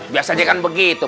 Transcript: biasa jangan begitu